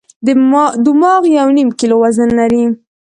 دماغ یو نیم کیلو وزن لري.